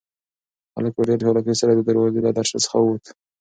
هلک په ډېر چالاکۍ سره د دروازې له درشل څخه ووت.